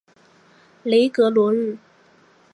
雷格罗日。